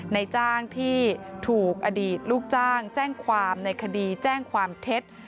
ในจ้างที่ถูกอดีตลูกจ้างแจ้งความในคดีแจ้งความเท็จ